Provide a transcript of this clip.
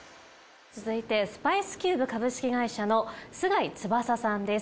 続いてスパイスキューブ株式会社の須貝翼さんです。